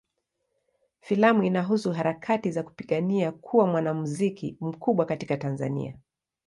Filamu inahusu harakati za kupigania kuwa mwanamuziki mkubwa katika Tanzania.